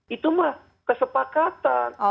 itu mah kesepakatan